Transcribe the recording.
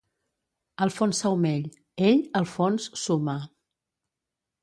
"Alfons Saumell: Ell, al fons, suma".